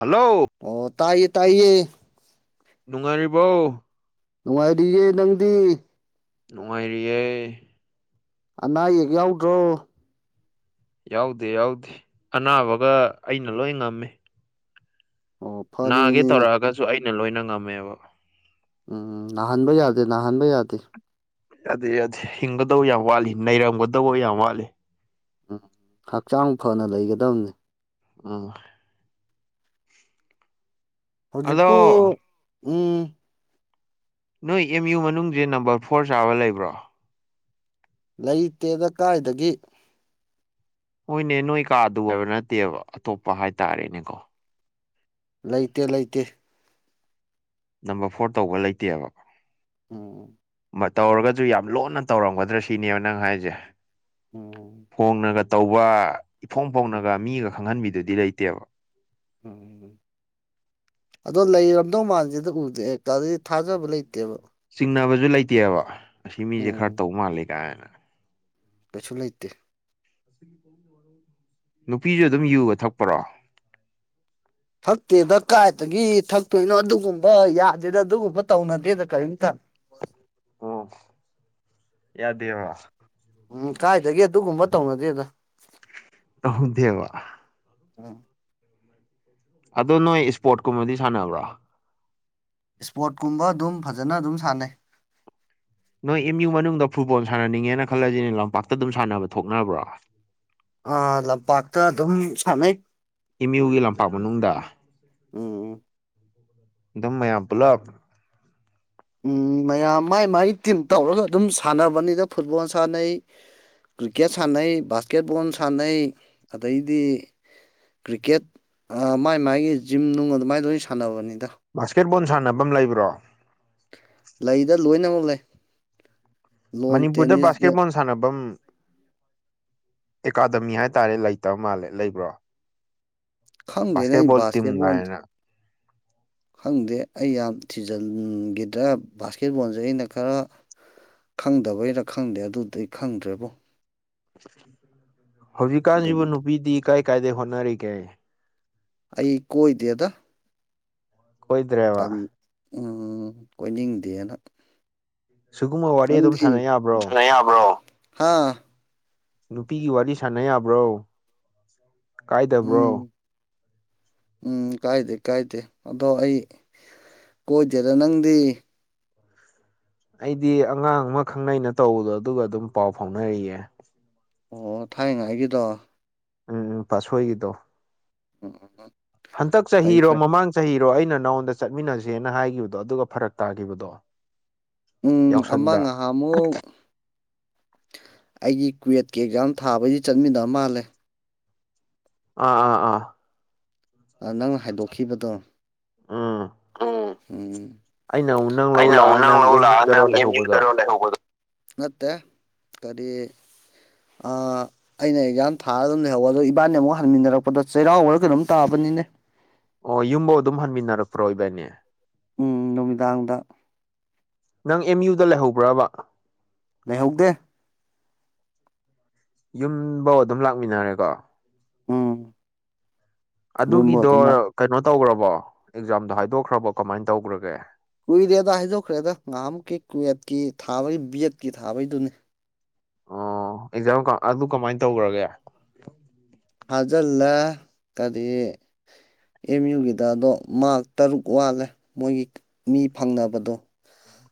Hello ꯑꯣ ꯇꯥꯏꯌꯦ ꯇꯥꯏꯌꯦ ꯅꯨꯡꯉꯥꯏꯔꯤꯕꯧ ꯅꯨꯡꯉꯥꯏꯔꯤꯌꯦ ꯅꯪꯗꯤ꯫ ꯅꯨꯡꯉꯥꯏꯔꯤꯌꯦ ꯑꯅꯥ ꯑꯌꯦꯛ ꯌꯥꯎꯗ꯭ꯔꯣ꯫ ꯌꯥꯎꯗꯦ ꯌꯥꯎꯗꯦ ꯑꯅꯥꯕꯒ ꯑꯩꯅ ꯂꯣꯏ ꯉꯝꯃꯤ꯫ ꯑꯣ ꯅꯥꯒꯦ ꯐꯔꯤꯕꯅꯤꯅꯦ ꯇꯧꯔꯛꯑꯒꯖꯨ ꯑꯩꯅ ꯂꯣꯏꯅ ꯉꯝꯃꯦꯕ꯫ ꯎꯝ ꯅꯥꯍꯟꯕ ꯌꯥꯗꯦ ꯅꯥꯍꯟꯕ ꯌꯥꯗꯦ꯫ ꯌꯥꯗꯦ ꯌꯥꯗꯦ ꯍꯤꯡꯒꯗꯧ ꯌꯥꯝ ꯋꯥꯠꯂꯤ ꯅꯩꯔꯝꯒꯗꯧꯕ ꯌꯥꯝ ꯋꯥꯠꯂꯤ꯫ ꯎꯝ ꯍꯛꯆꯥꯡ ꯐꯅ ꯂꯩꯒꯗꯝꯅꯤ꯫ ꯎꯝ ꯑꯗꯣ ꯍꯧꯖꯤꯛꯄꯨ ꯎꯝ ꯅꯣꯏ ꯑꯦꯝ ꯌꯨ ꯃꯅꯨꯡꯖꯦ ꯅꯝꯕꯔ ꯐꯣꯔ ꯆꯥꯕ ꯂꯩꯕ꯭ꯔꯣ? ꯂꯩꯇꯦꯗ ꯀꯥꯏꯗꯒꯤ꯫ ꯍꯣꯏꯅꯦ ꯅꯣꯏ ꯀꯥꯗꯨ ꯍꯥꯏꯕ ꯅꯠꯇꯦꯕ ꯑꯇꯣꯞꯄ ꯍꯥꯏꯇꯥꯔꯦꯅꯦꯀꯣ꯫ ꯂꯩꯇꯦ ꯂꯩꯇꯦ꯫ ꯅꯝꯕꯔ ꯐꯣꯔ ꯇꯧꯕ ꯂꯩꯇꯦꯕ꯫ ꯎꯝ ꯃꯔ ꯇꯧꯔꯒꯖꯨ ꯌꯥꯝ ꯂꯣꯟꯅ ꯇꯧꯔꯝꯒꯗ꯭ꯔꯥ ꯁꯤꯅꯦꯕ ꯅꯪ ꯍꯥꯏꯖꯦ꯫ ꯎꯝ ꯐꯣꯡꯅꯒ ꯇꯧꯕ ꯏꯐꯣꯡ ꯎꯝ ꯐꯣꯡꯅꯒ ꯃꯤꯒ ꯈꯪꯍꯟꯕꯤꯗꯨꯗꯤ ꯂꯩꯇꯦꯕ꯫ ꯎꯝ ꯑꯗꯣ ꯂꯩꯔꯝꯗꯧ ꯃꯥꯟꯗꯦꯗ ꯎꯗꯦ ꯑ ꯑꯗꯩ ꯊꯥꯖꯕ ꯂꯩꯇꯦꯕ꯫ ꯆꯤꯡꯅꯕꯖꯨ ꯂꯩꯇꯦꯕ ꯑꯁꯤ ꯃꯤꯖꯦ ꯈꯔ ꯎꯝ ꯇꯧ ꯃꯥꯜꯂꯤ ꯀꯥꯏꯅ꯫ ꯀꯩꯁꯨ ꯂꯩꯇꯦ꯫ ꯅꯨꯄꯤꯖꯨ ꯑꯗꯨꯝ ꯌꯨꯒ ꯊꯛꯄꯔꯣ? ꯊꯛꯇꯦꯗ ꯀꯥꯏꯗꯒꯤ ꯊꯛꯇꯣꯏꯅꯣ ꯑꯗꯨꯒꯨꯝꯕ ꯌꯥꯗꯦꯗ ꯑꯗꯨꯒꯨꯝꯕ ꯇꯧꯅꯗꯦꯗ ꯀꯔꯤꯝꯇ꯫ ꯑꯣ ꯌꯥꯗꯦꯕ꯫ ꯎꯝ ꯀꯥꯏꯗꯒꯤ ꯑꯗꯨꯒꯨꯝꯕ ꯇꯧꯅꯗꯦꯗ꯫ ꯇꯧꯗꯦꯕ꯫ ꯑ ꯑꯗꯣ ꯅꯣꯏ ꯁꯄꯣꯔꯠ ꯀꯨꯝꯕꯗꯤ ꯁꯥꯟꯅꯕ꯭ꯔꯣ꯫ ꯁ꯭ꯄꯣꯔꯠ ꯀꯨꯝꯕ ꯑꯗꯨꯝ ꯐꯖꯅ ꯑꯗꯨꯝ ꯁꯥꯟꯅꯩ꯫ ꯅꯣꯏ ꯑꯦꯝ ꯌꯨ ꯃꯅꯨꯡꯗ ꯐꯨꯠꯕꯣꯜ ꯁꯥꯟꯅꯅꯤꯡꯉꯦꯅ ꯈꯜꯂꯖꯤꯅꯦ ꯂꯝꯄꯥꯛꯇ ꯑꯗꯨꯝ ꯁꯥꯟꯅꯕ ꯊꯣꯛꯅꯕ꯭ꯔꯣ? ꯑꯥ ꯂꯝꯄꯥꯛꯇ ꯑꯗꯨꯝ ꯁꯥꯟꯅꯩ꯫ ꯑꯦꯝ ꯌꯨꯒꯤ ꯂꯝꯄꯥꯛ ꯃꯅꯨꯡꯗ꯫ ꯎꯝ ꯑꯗꯨꯝ ꯃꯌꯥꯝ ꯄꯨꯜꯂꯞ꯫ ꯎꯝ ꯃꯌꯥꯝ ꯃꯥꯏ ꯃꯥꯏ ꯇꯤꯝ ꯇꯧꯔꯒ ꯑꯗꯨꯝ ꯁꯥꯟꯅꯕꯅꯤꯗ ꯐꯨꯠꯕꯣꯜ ꯁꯥꯟꯅꯩ꯫ ꯀ꯭ꯔꯤꯛꯀꯦꯠ ꯁꯥꯟꯅꯩ ꯕꯥꯁꯀꯦꯠ ꯕꯣꯜ ꯁꯥꯟꯅꯩ ꯑꯗꯩꯗꯤ ꯀ꯭ꯔꯤꯛꯀꯦꯠ ꯑꯥ ꯃꯥꯏ ꯃꯥꯥꯏꯒꯤ ꯖꯤꯝ ꯅꯨꯡ ꯑꯗꯨꯃꯥꯏ ꯂꯣꯏ ꯁꯥꯟꯅꯕꯅꯤꯗ꯫ ꯕꯥꯁꯀꯦꯠ ꯕꯣꯜ ꯁꯥꯟꯅꯕꯝ ꯂꯩꯕ꯭ꯔꯣ? ꯂꯩꯗ ꯂꯣꯏꯅꯃꯛ ꯂꯩ꯫ ꯂꯣꯟ ꯃꯅꯤꯄꯨꯔꯗ ꯇꯦꯅꯤꯁ ꯕꯥꯁꯀꯦꯠ ꯕꯦꯠ ꯕꯣꯜ ꯁꯥꯟꯅꯕꯝ ꯑꯦꯀꯥꯗꯃꯤ ꯍꯥꯏꯇꯥꯔꯦ ꯂꯩꯇꯕ ꯃꯥꯜꯂꯦ ꯂꯩꯕ꯭ꯔꯣ꯫ ꯈꯪꯗꯦꯅꯦ ꯕꯥꯁꯀꯦꯠ ꯑꯩ ꯕꯣꯜ ꯇꯤꯝ ꯕꯥꯁꯀꯦꯠꯕꯣꯜ ꯒꯥꯏꯅ꯫ ꯈꯪꯗꯦ ꯑꯩ ꯌꯥꯝ ꯊꯤꯖꯟꯒꯤꯗ꯭ꯔꯥ ꯕꯥꯁꯀꯦꯠ ꯕꯣꯟꯖꯦ ꯑꯩꯅ ꯈꯔ ꯈꯪꯗꯕꯩꯔ ꯈꯪꯗꯦ ꯑꯗꯨꯗꯤ ꯈꯪꯗ꯭ꯔꯦꯕꯣ꯫ ꯍꯧꯖꯤꯛꯀꯥꯟꯖꯤꯕꯨ ꯑꯗꯨꯕꯨꯗꯤ ꯅꯨꯄꯤꯗꯤ ꯀꯥꯏ ꯀꯥꯏꯗꯩ ꯍꯣꯠꯅꯔꯤꯒꯦ꯫ ꯑꯩ ꯀꯣꯏꯗꯦꯗ꯫ ꯇꯟ ꯀꯣꯏꯗ꯭ꯔꯦꯕ ꯎꯝ ꯀꯣꯏꯅꯤꯡꯗꯦꯅ꯫ ꯁꯤꯒꯨꯝꯕ ꯋꯥꯔꯤ ꯑꯗꯨꯝ ꯅꯪꯗꯤ ꯁꯥꯟꯅ ꯌꯥꯕ꯭ꯔꯣ ꯁꯅꯥ ꯌꯥꯕꯔꯣ ꯍꯥ ꯅꯨꯄꯤꯒꯤ ꯋꯥꯔꯤ ꯁꯥꯟꯅ ꯌꯥꯕ꯭ꯔꯣ ꯀꯥꯏꯗꯕ꯭ꯔꯣ ꯎꯝ ꯎꯝ ꯀꯥꯏꯗꯦ ꯀꯥꯏꯗꯦ ꯑꯗꯣ ꯑꯩ ꯀꯣꯏꯗꯦꯗ ꯅꯪꯗꯤ ꯑꯩꯗꯤ ꯑꯉꯥꯡ ꯑꯃ ꯈꯪꯅꯩꯅ ꯇꯧꯕꯗꯣ ꯑꯗꯨꯒ ꯑꯗꯨꯝ ꯄꯥꯎ ꯐꯥꯎꯅꯔꯤꯌꯦ ꯑꯣ ꯊꯥꯏꯅꯉꯥꯏꯒꯤꯗꯣ ꯎꯝ ꯎꯝ ꯄꯥꯁꯣꯏꯒꯤꯗꯣ ꯎꯝ ꯎ ꯍꯟꯗꯛ ꯆꯍꯤꯔꯣ ꯃꯃꯥꯡ ꯆꯍꯤꯔꯣ ꯑꯩꯅ ꯅꯉꯣꯟꯗ ꯆꯠꯃꯤꯟꯅꯁꯦꯅ ꯍꯥꯏꯈꯤꯕꯗꯣ ꯑꯗꯨꯒ ꯐꯔꯛ ꯇꯥꯈꯤꯕꯗꯣ ꯎꯝ ꯑꯃ ꯌꯥꯎꯁꯪꯗ ꯉꯍꯥꯃꯨꯛ ꯑꯩꯒꯤ ꯀꯨꯋꯦꯠꯀꯤ ꯑꯦꯛꯖꯥꯝ ꯊꯥꯕꯩꯗꯤ ꯆꯠꯃꯤꯟꯅꯕ ꯃꯥꯜꯂꯦ ꯑꯥ ꯑꯥ ꯑꯥ ꯅꯪ ꯍꯥꯏꯗꯣꯛꯈꯤꯕꯗꯣ ꯎꯝ ꯎꯝ ꯑꯩꯅ ꯑꯃꯨꯛ ꯅꯪ ꯂꯧ ꯑꯩꯅ ꯑꯃꯨꯛ ꯂꯥꯛꯑ ꯅꯪ ꯂꯧ ꯑꯦꯝ ꯂꯥꯛꯑ ꯅꯪ ꯌꯨꯗꯔꯣ ꯑꯦꯝ ꯌꯨ ꯂꯩꯍꯧꯕꯗꯣ ꯇꯔ ꯂꯩꯍꯧꯕꯗꯣ ꯅꯠꯇꯦ ꯀꯔꯤ ꯑꯩꯅ ꯑꯦꯛꯖꯥꯝ ꯊꯥꯔ ꯑꯗꯨꯝ ꯂꯩꯍꯧꯕ ꯑꯗꯣ ꯏꯕꯥꯅꯤ ꯑꯃꯨꯛ ꯍꯟꯃꯤꯟꯅꯔꯛꯄꯗ ꯆꯩꯔꯥꯎꯕꯔꯒ ꯀꯩꯅꯣꯝ ꯇꯥꯕꯅꯤꯅꯦ ꯑꯣ ꯌꯨꯝꯐꯧ ꯑꯗꯨꯝ ꯍꯟꯃꯤꯟꯅꯔꯛꯄ꯭ꯔꯣ ꯏꯕꯥꯏꯅꯦ ꯎ ꯅꯨꯃꯤꯗꯥꯡꯗ ꯅꯪ ꯑꯦꯝ ꯌꯨꯗ ꯂꯩꯍꯧꯕ꯭ꯔꯕ ꯂꯩꯍꯧꯗꯦ ꯌꯨꯝꯐꯧ ꯑꯗꯨꯝ ꯂꯥꯛꯃꯤꯟꯅꯔꯦꯀꯣ ꯎꯝ ꯌꯨꯝꯕꯨ ꯑꯗꯨꯒꯤꯗꯣ ꯑꯗꯨꯝ ꯂꯥꯛ ꯀꯩꯅꯣ ꯇꯧꯈ꯭ꯔꯕꯣ ꯑꯦꯛꯖꯥꯝꯗꯣ ꯍꯥꯏꯗꯣꯛꯈ꯭ꯔꯕꯣ ꯀꯃꯥꯏꯅ ꯇꯧꯈ꯭ꯔꯒꯦ ꯀꯨꯏꯔꯦꯗ ꯍꯥꯏꯗꯣꯛꯈ꯭ꯔꯦ ꯑꯗ ꯉꯍꯃꯨꯛꯀꯤ ꯀꯨꯋꯦꯠꯀꯤ ꯊꯥꯕꯒꯤ ꯕꯦꯠꯀꯤ ꯊꯥꯕꯩꯗꯨꯅꯤ ꯑꯣ ꯑꯦꯛꯖꯥꯝ ꯑꯗꯨ ꯀꯃꯥꯏꯅ ꯇꯧꯈ꯭ꯔꯒꯦ ꯊꯥꯖꯤꯜꯂꯦ ꯀꯔꯤ ꯑꯦꯝ ꯌꯨꯒꯤꯗ ꯑꯗꯣ ꯃꯥꯔꯛ ꯇꯔꯨꯛ ꯋꯥꯠꯂꯦ ꯃꯣꯏꯒꯤ ꯃꯤ ꯐꯪꯅꯕꯗꯣ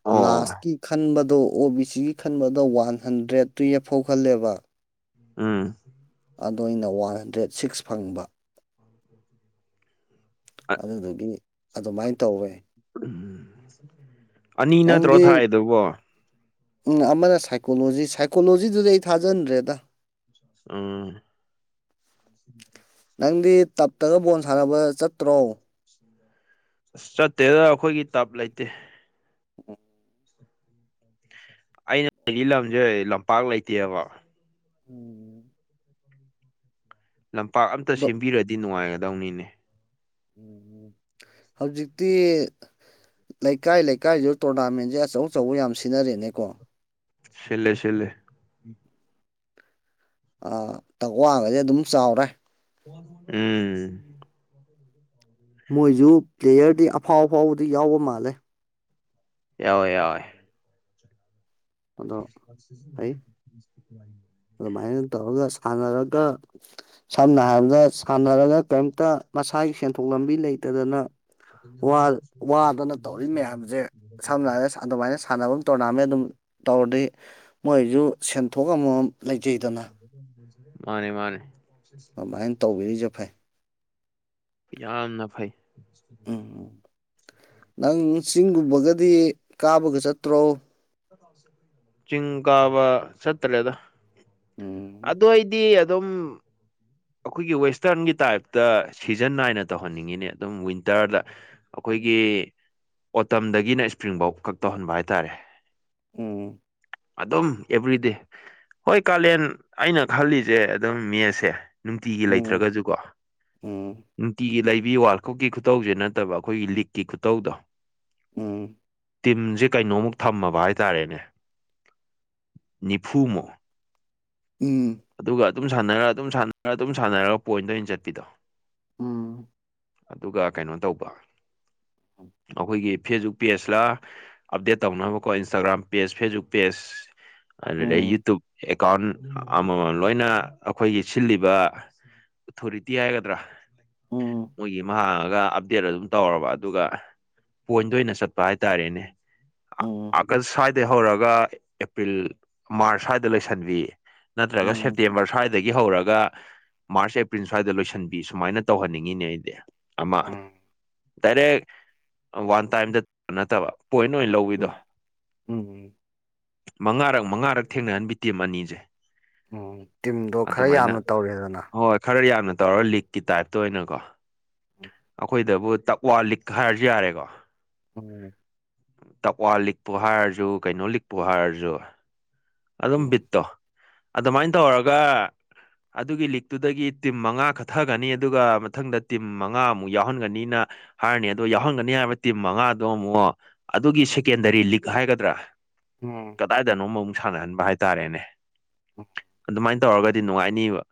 ꯑꯣ ꯂꯥꯁꯀꯤ ꯈꯟꯕꯗꯣ ꯑꯣ ꯕꯤ ꯁꯤꯒꯤ ꯈꯟꯕꯗꯣ ꯋꯥꯟ ꯍꯟꯗ꯭ꯔꯦꯗ ꯇꯨꯌꯦꯐ ꯐꯥꯎ ꯈꯜꯂꯦꯕ ꯑꯥ ꯑ ꯑ ꯑꯣꯏꯅ ꯋꯥꯟ ꯍꯟꯗ꯭ꯔꯦꯗ ꯁꯤꯛꯁ ꯐꯪꯕ ꯑꯗꯨꯗꯨꯒꯤ ꯑꯗꯨꯃꯥꯏꯅ ꯇꯧꯋꯦ ꯎꯝ ꯑꯅꯤ ꯅꯠꯇ꯭ꯔꯣ ꯊꯥꯏꯗꯨꯀꯣ ꯎ ꯑꯃꯅ ꯁꯥꯏꯀꯣꯂꯣꯖꯤ ꯁꯥꯏꯀꯣꯂꯣꯖꯤꯗꯨꯗꯤ ꯑꯩ ꯊꯥꯖꯟꯗ꯭ꯔꯦꯗ ꯑꯥ ꯅꯪꯗꯤ ꯇꯞꯇꯒ ꯕꯣꯜ ꯁꯥꯟꯅꯕ ꯆꯠꯇ꯭ꯔꯣ ꯎ ꯑꯁ ꯆꯠꯇꯦꯗ ꯑꯩꯈꯣꯏꯒꯤ ꯇꯞ ꯂꯩꯇꯦ ꯎꯝ ꯑꯩꯅ ꯁꯤꯒꯤ ꯂꯝꯁꯦ ꯂꯝꯄꯥꯛ ꯂꯩꯇꯦꯕ ꯎꯝ ꯂꯝꯄꯥꯛ ꯑꯝꯇ ꯑꯗꯣ ꯁꯦꯝꯕꯤꯔꯗꯤ ꯅꯨꯡꯉꯥꯏꯒꯗꯧꯅꯤꯅꯦ ꯎꯝ ꯎꯝ ꯍꯧꯖꯤꯛꯇꯤ ꯂꯩꯀꯥꯏ ꯂꯩꯀꯥꯏꯗꯨꯗ ꯇꯣꯔꯅꯥꯃꯦꯟꯁꯦ ꯑꯆꯧ ꯑꯆꯧꯕ ꯌꯥꯝ ꯁꯤꯖꯤꯟꯅꯔꯦꯅꯦꯀꯣ ꯁꯤꯂꯦ ꯁꯤꯂꯦ ꯇꯛꯋꯥꯒꯗꯤ ꯑꯗꯨꯝ ꯆꯥꯎꯔꯦ ꯃ ꯎꯝ ꯃꯣꯏꯁꯨ ꯄ꯭ꯂꯦꯌꯔꯗꯤ ꯑꯐꯥꯎ ꯑꯐꯥꯎꯕꯗꯤ ꯌꯥꯎꯕ ꯃꯥꯜꯂꯦ ꯌꯥꯋꯦ ꯌꯥꯎꯋꯦ ꯑꯗꯣ ꯐꯩ ꯁ ꯑꯗꯨꯃꯥꯏꯅ ꯇꯧꯔꯒ ꯁꯥꯟꯅꯔꯒ ꯁꯝꯅ ꯍꯥꯏꯔꯕꯗ ꯁꯥꯟꯅꯔꯒ ꯀꯔꯤꯝꯇ ꯃꯁꯥꯒꯤ ꯁꯦꯟꯊꯣꯛ ꯂꯝꯕꯤ ꯂꯩꯇꯗꯅ ꯋꯥ ꯋꯥꯗꯅ ꯇꯧꯔꯤ ꯃꯌꯥꯝꯁꯦ ꯁꯝꯅ [unintelligible] ꯍꯥꯏꯔꯒ ꯑꯗꯨꯃꯥꯏꯅ ꯁꯥꯟꯅꯕ ꯇꯣꯔꯅꯥꯃꯦꯟ ꯑꯗꯨꯝ ꯇꯧꯔꯗꯤ ꯃꯣꯏꯁꯨ ꯁꯦꯟꯊꯣꯛ ꯑꯃꯃꯝ ꯂꯩꯖꯩꯗꯅ ꯃꯥꯅꯦ ꯃꯥꯅꯦ ꯑꯗꯨꯃꯥꯏꯅ ꯇꯧꯕꯤꯔꯤꯁꯦ ꯐꯩ ꯌꯥꯝꯅ ꯐꯩ ꯎꯝ ꯅꯪ ꯆꯤꯡꯒꯨꯝꯕꯒꯗꯤ ꯀꯥꯕꯒ ꯆꯠꯇ꯭ꯔꯣ ꯆꯤꯡ ꯀꯥꯕ ꯆꯠꯇꯔ꯭ꯦꯗꯥ ꯎꯝ ꯑꯗꯨ ꯑꯩꯗꯤ ꯑꯗꯨꯝ ꯑꯩꯈꯣꯏꯒꯤ ꯋꯦꯁꯇ꯭ꯔꯟꯒꯤ ꯇꯥꯏꯞꯇ ꯁꯤꯖꯟ ꯅꯥꯏꯅ ꯇꯧꯍꯟꯅꯤꯡꯉꯤꯅꯦ ꯑꯗꯨꯝ ꯋꯤꯟꯇꯔꯗ ꯑꯩꯈꯣꯏꯒꯤ ꯑꯣꯇꯝꯗꯒꯤꯅ ꯏꯁꯄ꯭ꯔꯤꯡꯐꯧ ꯈꯛ ꯇꯧꯍꯟꯕ ꯍꯥꯏꯇꯥꯔꯦ ꯎꯝ ꯑꯗꯨꯝ ꯑꯦꯚ꯭ꯔꯤꯗꯦ ꯍꯣꯏ ꯀꯥꯂꯦꯟ ꯑꯩꯅ ꯈꯜꯂꯤꯁꯦ ꯑꯗꯨꯝ ꯃꯦꯁꯦ ꯅꯨꯡꯇꯤꯒꯤ ꯎꯝ ꯂꯩꯇ꯭ꯔꯒꯁꯨꯀꯣ ꯎꯝ ꯅꯨꯡꯇꯤꯒꯤ ꯂꯩꯕꯤ ꯋꯥꯠ ꯀꯛꯀꯤ ꯈꯨꯇꯧꯁꯦ ꯅꯠꯇꯕ ꯑꯩꯈꯣꯏꯒꯤ ꯂꯤꯛꯀꯤ ꯈꯨꯇꯧꯗꯣ ꯎꯝ ꯇꯤꯝꯁꯦ ꯀꯩꯅꯣꯃꯨꯛ ꯊꯝꯃꯕ ꯍꯥꯏꯇꯥꯔꯦꯅꯦ ꯅꯤꯐꯨꯃꯨꯛ ꯎꯝ ꯑꯗꯨꯒ ꯑꯗꯨꯝ ꯁꯥꯟꯅꯔ ꯑꯗꯨꯝ ꯁꯥꯟꯅꯔ ꯑꯗꯨꯝ ꯁꯥꯟꯅꯔꯒ ꯄꯣꯏꯟꯗ ꯑꯣꯏꯅ ꯆꯠꯄꯤꯗꯣ ꯎꯝ ꯑꯗꯨꯒ ꯀꯩꯅꯣ ꯇꯧꯕ ꯑꯩꯈꯣꯏꯒꯤ ꯐꯦꯁꯕꯨꯛ ꯄꯦꯖꯇ ꯑꯞꯗꯦꯠ ꯇꯧꯅꯕꯀꯣ ꯏꯟꯁꯇꯥꯒ꯭ꯔꯥꯝ ꯄꯦꯖ ꯐꯦꯁꯕꯨꯛ ꯄꯦꯖ ꯎꯝ ꯑꯗꯨꯗ ꯎꯝ ꯌꯨꯇꯨꯕ ꯑꯦꯀꯥꯎꯟ ꯑꯃꯃꯝ ꯂꯣꯏꯅ ꯑꯩꯈꯣꯏꯒꯤ ꯁꯤꯜꯂꯤꯕ ꯑꯣꯊꯣꯔꯤꯇꯤ ꯍꯥꯏꯒꯗ꯭ꯔꯥ ꯎꯝ ꯃꯣꯏꯒꯤ ꯍꯥꯡꯉꯒ ꯑꯞꯗꯦꯠ ꯑꯗꯨꯝ ꯇꯧꯔꯕ ꯑꯗꯨꯒ ꯄꯣꯏꯟꯗ ꯑꯣꯏꯅ ꯆꯠꯄ ꯍꯥꯏꯇꯥꯔꯦꯅꯦ ꯎꯝ ꯑꯥꯒꯁ ꯁ꯭ꯋꯥꯏꯗꯩ ꯍꯧꯔꯒ ꯑꯦꯄ꯭ꯔꯤꯜ ꯃꯥꯔꯁ ꯁ꯭ꯋꯥꯏꯗ ꯂꯣꯏꯁꯟꯕꯤꯌꯦ ꯅꯠꯇ꯭ꯔꯒ ꯎꯝ ꯁꯦꯞꯇꯦꯝꯕꯔ ꯁ꯭ꯋꯥꯏꯗꯒꯤ ꯍꯧꯔꯒ ꯃꯥꯔꯁ ꯑꯦꯄ꯭ꯔꯤꯜ ꯁ꯭ꯋꯥꯏꯗ ꯂꯣꯏꯁꯤꯟꯕꯤ ꯁꯨꯃꯥꯏꯅ ꯇꯧꯍꯅꯤꯡꯉꯤꯅꯦ ꯑꯩ ꯑꯃ ꯎꯝ ꯗꯥꯏꯔꯦꯛ ꯋꯥꯟ ꯇꯥꯏꯝꯗ ꯅꯠꯇꯕ ꯄꯣꯏꯟ ꯑꯣꯏꯅ ꯂꯧꯋꯤꯗꯣ ꯎꯝ ꯃꯉꯥꯔꯛ ꯃꯉꯥꯔꯛ ꯊꯦꯡꯅꯍꯟꯕꯤ ꯇꯤꯝ ꯑꯅꯤꯁꯦ ꯎꯝ ꯇꯤꯝꯗꯣ ꯈꯔ ꯑꯗꯨꯃꯥꯏꯅ ꯌꯥꯝꯅ ꯇꯧꯔꯦꯗꯅ ꯍꯣꯏ ꯈꯔ ꯌꯥꯝꯅ ꯇꯧꯔꯒ ꯂꯤꯛꯀꯤ ꯇꯥꯏꯞꯇ ꯑꯣꯏꯅꯀꯣ ꯑꯩꯈꯣꯏꯗꯕꯨ ꯇꯛꯋꯥ ꯂꯤꯛ ꯍꯥꯏꯔꯁꯨ ꯌꯥꯔꯦꯀꯣ ꯎꯝ ꯇꯛꯋꯥ ꯂꯤꯛꯄꯨ ꯍꯥꯏꯔꯁꯨ ꯀꯩꯅꯣ ꯂꯤꯛꯄꯨ ꯍꯥꯏꯔꯁꯨ ꯑꯗꯨꯝ ꯎꯝ ꯕꯤꯠꯇꯣ ꯑꯗꯨꯃꯥꯏꯅ ꯇꯧꯔꯒ ꯑꯗꯨꯒꯤ ꯂꯤꯛꯇꯨꯗꯒꯤ ꯇꯤꯝ ꯃꯉꯥ ꯀꯠꯊꯒꯅꯤ ꯑꯗꯨꯒ ꯃꯊꯪꯗ ꯇꯤꯝ ꯃꯉꯥ ꯑꯃꯨꯛ ꯌꯥꯎꯍꯟꯒꯅꯤꯅ ꯍꯥꯏꯔꯅꯤ ꯑꯗꯣ ꯌꯥꯎꯍꯟꯒꯅꯤ ꯍꯥꯏꯕ ꯇꯤꯝ ꯃꯉꯥꯗꯣ ꯑꯃꯨꯛ ꯑꯗꯨꯒꯤ ꯁꯦꯀꯦꯟꯗꯔꯤ ꯂꯤꯛ ꯍꯥꯏꯒꯗ꯭ꯔꯥ ꯎꯝ ꯀꯗꯥꯏꯗꯅꯣ ꯑꯃ ꯑꯃꯨꯛ ꯁꯥꯟꯅꯍꯟꯕ ꯍꯥꯏꯇꯥꯔꯦꯅꯦ [unintelligible] ꯑꯗꯨꯃꯥꯏꯅ ꯇꯧꯔꯒꯗꯤ ꯅꯨꯡꯉꯥꯏꯅꯤꯕ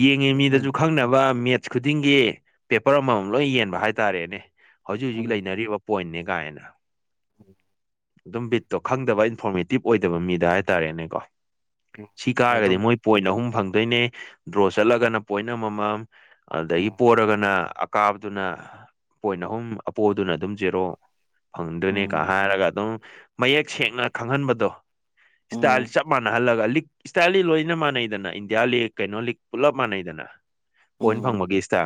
ꯌꯦꯡꯉꯤ ꯎꯝ ꯃꯤꯗꯁꯨ ꯈꯪꯅꯕ ꯃꯦꯠꯁ ꯈꯨꯗꯤꯡꯒꯤ ꯄꯦꯄꯔ ꯑꯃꯃꯝ ꯂꯣꯏ ꯌꯦꯟꯕ ꯍꯥꯏꯇꯥꯔꯦꯅꯦ ꯍꯧꯖꯤꯛ ꯍꯧꯖꯤꯛ ꯎꯝ ꯂꯩꯅꯔꯤꯕ ꯄꯣꯏꯟꯅꯦ ꯀꯥꯏꯅ [unintelligible] ꯑꯗꯨꯝ ꯕꯤꯠꯇꯣ ꯈꯪꯗꯕ ꯏꯟꯐꯣꯔꯃꯦꯇꯤꯞ ꯑꯣꯏꯗꯕ ꯃꯤꯗ ꯍꯥꯏꯇꯥꯔꯦꯅꯦꯀꯣ ꯎꯝ ꯁꯤ ꯀꯥꯔꯒꯗꯤ ꯑꯗꯨꯝ ꯃꯣꯏ ꯄꯣꯏꯟ ꯑꯍꯨꯝ ꯐꯪꯗꯣꯏꯅꯦ ꯗ꯭ꯔꯣ ꯆꯠꯂꯒꯅ ꯄꯣꯏꯟ ꯑꯃꯃꯝ ꯑꯗꯩꯩ ꯎꯝ ꯄꯣꯠ ꯅ ꯑꯀꯥꯕꯗꯨꯅ ꯄꯣꯏꯟ ꯑꯍꯨꯝ ꯑꯄꯣꯗꯨꯅ ꯑꯗꯨꯝ ꯖꯦꯔꯣ ꯐꯪꯗꯣꯏꯅꯤꯒ ꯎꯝ ꯍꯥꯏꯔꯒ ꯑꯗꯨꯝ ꯃꯌꯦꯛ ꯁꯦꯡꯅ ꯈꯪꯍꯟꯕꯗꯣ ꯏꯁꯇꯥꯏꯜ ꯎꯝ ꯆꯞ ꯃꯥꯟꯅꯍꯜꯂꯒ ꯂꯤꯛ ꯏꯁꯇꯥꯏꯜꯂꯤ ꯂꯣꯏꯅ ꯃꯥꯟꯅꯩꯗꯅ ꯏꯟꯗꯤꯌꯥ ꯂꯤꯛ ꯀꯩꯅꯣ ꯂꯤꯛ ꯄꯨꯂꯞ ꯃꯥꯟꯅꯩꯗꯅ ꯄꯣꯏꯟ ꯎꯝ ꯐꯪꯕꯒꯤꯁꯤꯇ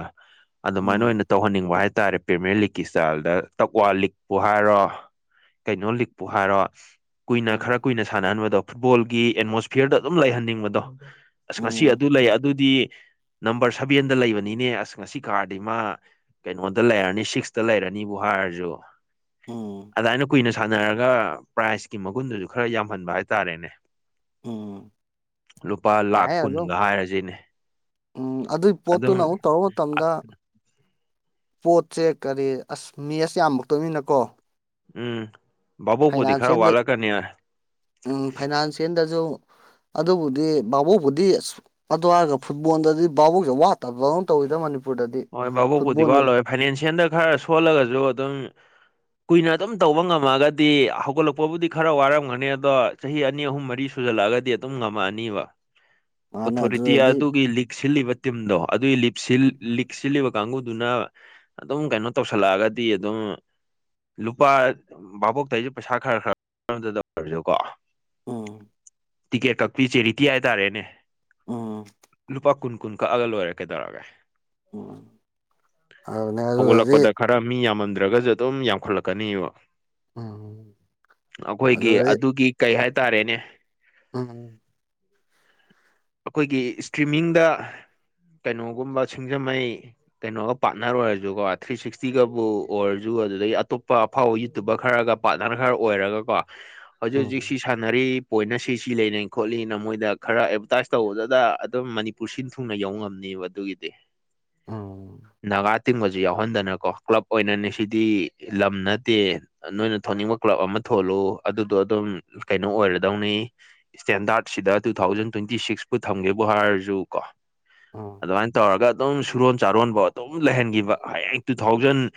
ꯑꯗꯨꯃꯥꯏꯅ ꯑꯣꯏꯅ ꯎꯝ ꯇꯧꯍꯟꯅꯤꯡꯕ ꯍꯥꯏꯇꯥꯔꯦ ꯄ꯭ꯔꯦꯃꯤꯌꯔ ꯂꯤꯛꯀꯤ ꯏꯁꯇꯥꯏꯜꯗ ꯇꯛꯋꯥ ꯂꯤꯛꯄꯨ ꯍꯥꯏꯔꯣ ꯀꯩꯅꯣ ꯂꯤꯛꯄꯨ ꯍꯥꯏꯔꯣ ꯀꯨꯏꯅ ꯈꯔ ꯎꯝ ꯀꯨꯏꯅ ꯁꯥꯟꯅꯍꯟꯕꯗꯣ ꯐꯨꯠꯕꯣꯜꯒꯤ ꯑꯦꯠꯃꯣꯁꯐꯤꯌꯔꯗꯣ ꯑꯗꯨꯝ ꯂꯩꯍꯟꯅꯤꯡꯕꯗꯣ ꯑꯁ ꯉꯁꯤ ꯎꯝ ꯑꯗꯨ ꯂꯩ ꯑꯗꯨꯗꯤ ꯅꯝꯕꯔ ꯁꯚꯦꯟꯗ ꯂꯩꯕꯅꯤꯅꯦ ꯑꯁ ꯉꯁꯤ ꯀꯥꯔꯗꯤ ꯃꯥ ꯀꯩꯅꯣꯗ ꯂꯩꯔꯅꯤ ꯁꯤꯛꯁꯇ ꯂꯩꯔꯅꯤꯕꯨ ꯍꯥꯏꯔꯁꯨ ꯎꯝ ꯑꯗꯨꯃꯥꯏꯅ ꯀꯨꯏꯅ ꯁꯥꯟꯅꯔꯒ ꯄ꯭ꯔꯥꯏꯖꯀꯤ ꯃꯒꯨꯟꯗꯨꯁꯨ ꯈꯔ ꯌꯥꯝꯍꯟꯕ ꯍꯥꯏꯇꯥꯔꯦꯅꯦ ꯎꯝ ꯂꯨꯄꯥ ꯂꯥꯛꯈ ꯌꯥꯏ ꯑꯗꯨꯝ ꯀꯨꯟꯒ ꯍꯥꯏꯔꯁꯤꯅꯦ ꯎꯝ ꯑꯗꯨꯏ ꯄꯣꯠꯇꯨꯅ ꯑꯗꯨꯝ ꯑꯃꯨꯛ ꯇꯧꯔꯨ ꯃꯇꯝꯗ ꯄꯣꯠꯁꯦ ꯀꯔꯤ ꯑꯁ ꯃꯦꯁ ꯌꯥꯝꯃꯛꯇꯣꯏꯅꯤꯅꯀꯣ ꯎꯝ ꯚꯥꯕꯣꯛꯄꯨꯗꯤ ꯈꯔ ꯐꯥꯏꯅꯥꯟꯁꯤꯌꯦꯜꯗ ꯋꯥꯠꯂꯛꯀꯅꯤ ꯍꯥꯏ ꯎꯝ ꯐꯥꯏꯅꯥꯟꯁꯤꯌꯦꯜꯗꯁꯨ ꯑꯗꯨꯕꯨꯗꯤ ꯚꯥꯕꯨꯕꯨꯗꯤ ꯑꯁ ꯑꯗꯨꯋꯥꯔꯒ ꯐꯨꯠꯕꯣꯜꯗꯗꯤ ꯚꯥꯕꯣꯛꯁꯦ ꯋꯥꯠꯇꯕꯅ ꯇꯧꯋꯤꯗ ꯃꯅꯤꯄꯨꯔꯗꯗꯤ ꯐꯨꯠꯕꯣꯜꯅꯤ ꯐꯥꯏꯅꯥꯟꯁꯤꯑꯜꯗ ꯈꯔ ꯁꯣꯜꯂꯒꯁꯨ ꯑꯗꯨꯝ ꯀꯨꯏꯅ ꯑꯗꯨꯝ ꯇꯧꯕ ꯉꯝꯃꯒꯗꯤ ꯍꯧꯒꯠꯂꯛꯄꯕꯨꯗꯤ ꯈꯔ ꯋꯥꯔꯝꯒꯅꯤ ꯑꯗꯣ ꯆꯍꯤ ꯑꯅꯤ ꯑꯍꯨꯝ ꯃꯔꯤ ꯁꯨꯖꯜꯂꯛꯑꯒꯗꯤ ꯑꯗꯨꯝ ꯉꯝꯃꯛꯑꯅꯤꯕ ꯃꯥꯅꯦ ꯑꯣꯊꯣꯔꯤꯇꯤ ꯑꯗꯨꯗꯗꯤ ꯑꯗꯨꯒꯤ ꯂꯤꯛ ꯁꯤꯜꯂꯤꯕ ꯇꯤꯝꯗꯣ ꯑꯗꯨꯒꯤ ꯂꯤꯞ ꯂꯤꯛ ꯁꯤꯜꯂꯤꯕ ꯀꯥꯡꯒꯗꯨꯅ ꯑꯗꯨꯝ ꯀꯩꯅꯣ ꯇꯧꯁꯜꯂꯛꯑꯒꯗꯤ ꯑꯗꯨꯝ ꯂꯨꯄꯥ ꯚꯥꯕꯣꯛꯇ ꯑꯩꯁꯨ ꯄꯩꯁꯥ ꯈꯔ ꯈꯔꯁꯨ ꯀꯣ ꯎꯝ ꯇꯤꯀꯦꯠ ꯀꯛꯄꯤ ꯆꯦꯔꯤꯇꯤ ꯍꯥꯏꯇꯥꯔꯦꯅꯦ ꯎꯝ ꯂꯨꯄꯥ ꯀꯨꯟ ꯀꯨꯟ ꯀꯛꯑꯒ ꯂꯣꯏꯔꯛꯀꯩ ꯇꯧꯔꯒꯦ ꯍꯧꯒꯠꯂꯛꯄꯗ [unintelligible] ꯈꯔ ꯃꯤ ꯌꯥꯝꯃꯝꯗ꯭ꯔꯒꯁꯨ ꯑꯗꯨꯝ ꯌꯥꯝꯈꯠꯂꯛꯀꯅꯤꯕ ꯎꯝ ꯑꯩꯈꯣꯏꯒꯤ ꯑꯗꯨꯗꯤ ꯑꯗꯨꯒꯤ ꯀꯩ ꯍꯥꯏꯇꯥꯔꯦꯅꯦ ꯎꯝ ꯑꯩꯈꯣꯏꯒꯤ ꯏꯁꯇ꯭ꯔꯤꯃꯤꯡꯗ ꯀꯩꯅꯣꯒꯨꯝꯕ ꯁꯤꯡꯖꯃꯩ ꯀꯩꯅꯣꯒ ꯄꯥꯔꯠꯅꯔ ꯑꯣꯏꯔꯁꯨꯀꯣ ꯊ꯭ꯔꯤ ꯁꯤꯛꯁꯇꯤꯒꯕꯨ ꯑꯣꯏꯔꯁꯨ ꯑꯗꯨꯗꯩ ꯑꯇꯣꯞꯄ ꯐꯧ ꯌꯨꯇꯨꯕꯔ ꯈꯔꯒ ꯄꯥꯔꯠꯅꯔ ꯈꯔ ꯑꯣꯏꯔꯒ ꯀꯣ ꯍꯧꯖꯤꯛ ꯍꯧꯖꯤꯛ ꯎꯝ ꯁꯤ ꯁꯥꯟꯅꯔꯤ ꯄꯣꯏꯅ ꯁꯤ ꯁꯤ ꯂꯩꯔꯤ ꯈꯣꯠꯂꯤꯅ ꯃꯣꯏꯗ ꯈꯔ ꯑꯦꯗꯚꯔꯇꯥꯏꯁ ꯇꯧꯕꯗꯨꯗ ꯑꯗꯨꯝ ꯃꯅꯤꯄꯨꯔ ꯁꯤꯟ ꯊꯨꯡꯅ ꯌꯧꯕ ꯉꯝꯅꯦꯕ ꯑꯗꯨꯒꯤꯗꯤ ꯎꯝ ꯅꯥꯒꯥ ꯇꯤꯡꯕꯁꯨ ꯌꯥꯎꯍꯟꯗꯅꯀꯣ ꯀ꯭ꯂꯕ ꯑꯣꯏꯅꯅꯦ ꯁꯤꯗꯤ ꯂꯝ ꯅꯠꯇꯦ ꯅꯣꯏꯅ ꯊꯣꯟꯅꯤꯡꯕ ꯀ꯭ꯂꯕ ꯑꯃ ꯊꯣꯛꯣꯂꯨ ꯑꯗꯨꯗꯣ ꯑꯗꯨꯝ ꯀꯩꯅꯣ ꯑꯣꯏꯔꯗꯧꯅꯤ ꯏꯁꯇꯦꯟꯗꯥꯔꯠ ꯁꯤꯗ ꯇꯨ ꯊꯥꯎꯖꯟ ꯇ꯭ꯋꯦꯟꯇꯤ ꯁꯤꯛꯁ ꯄꯨ ꯊꯝꯒꯦꯕꯨ ꯍꯥꯏꯔꯁꯨ ꯀꯣ ꯎꯝ ꯑꯗꯨꯃꯥꯏꯅ ꯇꯧꯔꯒ ꯑꯗꯨꯝ ꯁꯨꯔꯣꯟ ꯆꯥꯔꯣꯟꯕ ꯑꯗꯨꯝ ꯂꯩꯍꯟꯈꯤꯕ ꯍꯥꯌꯦꯡ two thousand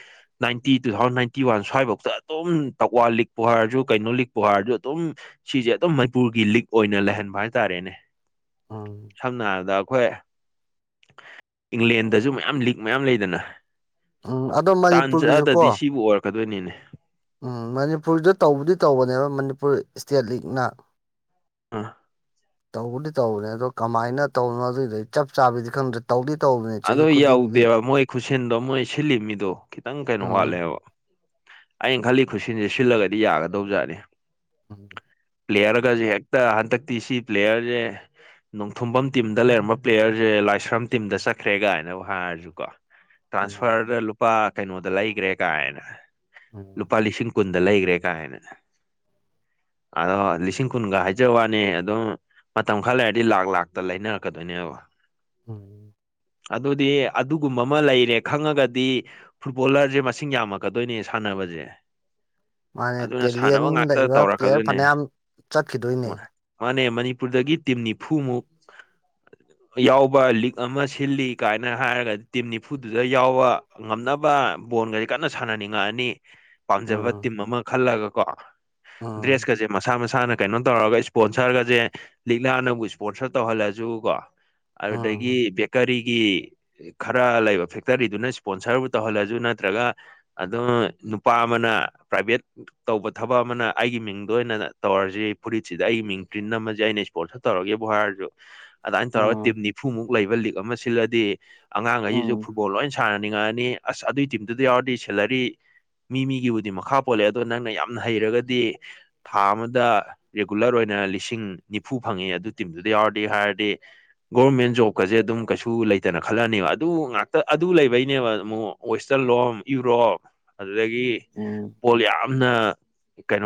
ninety two thousand ninety one ꯁ꯭ꯋꯥꯏꯐꯥꯎꯗ ꯑꯗꯨꯝ ꯇꯛꯋꯥꯜ ꯂꯤꯛꯄꯨ ꯍꯥꯏꯔꯁꯨ ꯀꯩꯅꯣ ꯂꯤꯛꯄꯨ ꯍꯥꯏꯔꯁꯨ ꯑꯗꯨꯝ ꯁꯤꯁꯦ ꯑꯗꯨꯝ ꯃꯅꯤꯄꯨꯔꯒꯤ ꯂꯤꯛ ꯑꯣꯏꯅ ꯂꯩꯍꯟꯕ ꯍꯥꯏꯇꯥꯔꯦꯅꯦ ꯑꯝ ꯁꯝꯅ ꯍꯥꯏꯔꯕꯗ ꯑꯩꯈꯣꯏ ꯏꯪꯂꯦꯟꯗꯁꯨ ꯃꯌꯥꯝ ꯂꯤꯛ ꯃꯌꯥꯝ ꯂꯩꯗꯅ ꯎꯝ ꯑꯗꯣ ꯇꯥꯟ ꯃꯅꯤꯄꯨꯔꯒꯤꯁꯨ ꯀꯣ ꯆꯠꯅꯗꯤ ꯁꯤꯕꯨ ꯑꯣꯏꯔꯛꯀꯗꯣꯏꯅꯤꯅꯦ ꯎꯝ ꯃꯅꯤꯄꯨꯔꯗ ꯇꯧꯕꯗꯤ ꯇꯧꯕꯅꯦꯕ ꯃꯅꯤꯄꯨꯔ ꯏꯁꯇꯦꯠ ꯂꯤꯛꯅ ꯑꯥ ꯇꯧꯕꯗꯤ ꯇꯧꯕꯅꯦ ꯑꯗꯣ ꯀꯃꯥꯏꯅ ꯇꯧꯅꯣ ꯑꯗꯨꯏꯗꯨ ꯆꯞ ꯆꯥꯕꯤꯗꯤ ꯈꯪꯗ꯭ꯔꯦ ꯇꯧꯗꯤ ꯇꯧꯕꯅꯦ ꯑꯗꯨ ꯆꯍꯤ ꯈꯨꯗꯤꯡꯒꯤ ꯌꯧꯗꯦꯕ ꯃꯣꯏ ꯈꯨꯠꯁꯤꯟꯗꯣ ꯃꯣꯏ ꯁꯤꯜꯂꯤ ꯃꯤꯗꯣ ꯈꯤꯇꯪ ꯀꯩꯅꯣ ꯎꯝ ꯋꯥꯠꯂꯦꯕ ꯑꯩꯅ ꯈꯜꯂꯤ ꯈꯨꯠꯁꯤꯟꯁꯦ ꯁꯤꯜꯂꯒꯗꯤ ꯌꯥꯒꯗꯧꯕꯖꯥꯠꯅꯦ ꯎꯝ ꯄ꯭ꯂꯦꯌꯔꯒꯁꯦ ꯍꯦꯛꯇ ꯍꯟꯇꯛꯇꯤ ꯁꯤ ꯄ꯭ꯂꯦꯌꯔꯁꯦ ꯅꯣꯡꯊꯣꯝꯕꯝ ꯇꯤꯝꯗ ꯂꯩꯔꯝꯕ ꯄ꯭ꯂꯦꯌꯔꯁꯦ ꯂꯥꯏꯁ꯭ꯔꯝ ꯇꯤꯝꯗ ꯆꯠ ꯈ꯭ꯔꯦ ꯒꯥꯏꯅꯕꯨ ꯍꯥꯏꯔꯁꯨꯀꯣ ꯎꯝ ꯇ꯭ꯔꯥꯟꯁꯐꯔꯗ ꯂꯨꯄꯥ ꯀꯩꯅꯣꯗ ꯂꯩꯒꯔꯦ ꯀꯥꯏꯅ ꯎꯝ ꯂꯨꯄꯥ ꯂꯤꯁꯤꯡ ꯀꯨꯟꯗ ꯂꯩꯒꯔꯦ ꯀꯥꯏꯅ ꯑꯗꯣ ꯂꯤꯁꯤꯡ ꯀꯨꯟꯒ ꯍꯥꯏꯖꯕ ꯋꯥꯅꯤ ꯑꯗꯨꯝ ꯃꯇꯝ ꯈꯔ ꯂꯩꯔꯗꯤ ꯂꯥꯛ ꯂꯥꯛꯇ ꯂꯩꯅꯔꯀꯗꯣꯏꯅꯦꯕ ꯎꯝ ꯑꯗꯨꯗꯤ ꯑꯗꯨꯒꯨꯝꯕ ꯑꯃ ꯂꯩꯔꯦ ꯈꯪꯉꯒꯗꯤ ꯐꯨꯠꯕꯣꯂꯔꯁꯦ ꯃꯁꯤꯡ ꯌꯥꯝꯃꯛꯀꯗꯣꯏꯅꯦ ꯁꯥꯟꯅꯕꯁꯦ ꯃꯥꯅꯦ ꯑꯗꯨꯅ ꯇꯦꯂꯦꯟ ꯁꯥꯟꯅꯕ ꯉꯥꯛꯇ ꯂꯩꯕ ꯄ꯭ꯂꯦꯌꯔ ꯇꯧꯔꯛꯀꯗꯣꯏꯅꯦ ꯐꯅꯌꯥꯝ ꯆꯠꯈꯤꯗꯣꯏꯅꯦ ꯃꯥꯥꯟꯅꯦ ꯃꯅꯤꯄꯨꯔꯗꯒꯤ ꯇꯤꯝ ꯅꯤꯐꯨꯃꯨꯛ ꯌꯥꯎꯕ ꯂꯤꯛ ꯑꯃ ꯁꯤꯜꯂꯤ ꯀꯥꯏꯅ ꯍꯥꯏꯔꯒ ꯇꯤꯝ ꯅꯤꯐꯨꯗꯨꯗ ꯌꯥꯎꯕ ꯉꯝꯅꯕ ꯕꯣꯟꯒꯁꯦ ꯀꯟꯅ ꯁꯥꯟꯅꯅꯤꯡꯉꯛꯑꯅꯤ ꯄꯥꯝꯖꯕ ꯎꯝ ꯇꯤꯝ ꯑꯃ ꯈꯜꯂꯒ ꯀꯣ ꯎꯝ ꯗ꯭ꯔꯦꯁꯀꯁꯦ ꯃꯁꯥ ꯃꯁꯥ ꯃꯁꯥꯅ ꯀꯩꯅꯣ ꯇꯧꯔꯒ ꯏꯁꯄꯣꯟꯁꯔꯒꯖꯦ ꯂꯤꯛꯂꯥꯅꯕꯨ ꯏꯁꯄꯣꯟꯁꯔ ꯇꯧꯍꯜꯂꯁꯨ ꯀꯣ ꯑꯗꯨꯗꯒꯤ ꯎꯝ ꯕꯦꯀꯔꯤꯒꯤ ꯈꯔ ꯂꯩꯕ ꯐꯦꯛꯇꯔꯤꯗꯨꯅ ꯏꯁꯄꯣꯟꯁꯔꯕꯨ ꯇꯧꯍꯜꯂꯁꯨ ꯅꯠꯇ꯭ꯔꯒ ꯑꯗꯨ ꯅꯨꯄꯥ ꯑꯃꯅ ꯄ꯭ꯔꯥꯏꯚꯦꯠ ꯇꯧꯕ ꯊꯕꯛ ꯑꯃꯅ ꯑꯩꯒꯤ ꯃꯤꯡꯗ ꯑꯣꯏꯅ ꯇꯧꯔꯁꯤ ꯐꯨꯔꯤꯠꯁꯤꯗ ꯑꯩꯒꯤ ꯃꯤꯡ ꯄꯔ꯭ꯤꯟ ꯅꯝꯃꯁꯦ ꯑꯩꯅ ꯏꯁꯄꯣꯟꯁꯔ ꯇꯧꯔꯒꯦꯕꯨ ꯍꯥꯏꯔꯁꯨ ꯑꯗꯨꯃꯥꯏꯅ ꯇꯧꯔꯒ ꯇꯤꯝ ꯎꯝ ꯅꯤꯐꯨꯃꯨꯛ ꯂꯩꯕ ꯂꯤꯛ ꯑꯃ ꯁꯤꯜꯂꯗꯤ ꯑꯉꯥꯡꯒꯩꯁꯦ ꯎꯝ ꯐꯨꯠꯕꯣꯜ ꯂꯣꯏꯅ ꯁꯟ ꯁꯥꯟꯅꯅꯤꯡꯉꯛꯑꯅꯤ ꯑꯁ ꯑꯗꯨꯒꯤ ꯇꯤꯝꯗꯨꯗ ꯌꯥꯎꯔꯗꯤ ꯁꯦꯂꯔꯤ ꯃꯤ ꯃꯤꯒꯤꯕꯨꯗꯤ ꯃꯈꯥ ꯄꯣꯜꯂꯦ ꯑꯗꯣ ꯅꯪꯅ ꯌꯥꯝꯅ ꯍꯩꯔꯒꯗꯤ ꯊꯥ ꯑꯃꯗ ꯔꯤꯒꯨꯂꯔ ꯑꯣꯏꯅ ꯂꯤꯁꯤꯡ ꯅꯤꯐꯨ ꯐꯪꯉꯦ ꯑꯗꯨ ꯇꯤꯝꯗꯨꯗ ꯌꯥꯎꯔꯗꯤ ꯍꯥꯏꯔꯗꯤ꯫ ꯒꯣꯕꯔꯃꯦꯟꯠ ꯖꯣꯕꯀꯁꯦ ꯑꯗꯨꯝ ꯀꯩꯁꯨ ꯂꯩꯇꯅ ꯈꯜꯂꯅꯦꯕ ꯑꯗꯨ ꯉꯥꯛꯇ ꯑꯗꯨ ꯂꯩꯕꯩꯅꯦꯕ ꯑꯃꯨꯛ ꯋꯦꯁꯇꯔ ꯂꯣꯝ ꯌꯨꯔꯣꯞ ꯑꯗꯨꯗꯒꯤ ꯎꯝ ꯕꯣꯜ ꯌꯥꯝꯅ ꯀꯩꯅꯣ